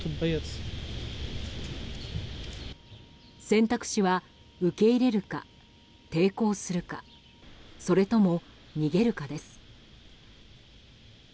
選択肢は受け入れるか、抵抗するかそれとも逃げるかです。